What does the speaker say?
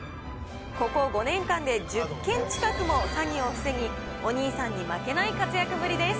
ここ５年間で１０件近くも詐欺を防ぎ、お兄さんに負けない活躍ぶりです。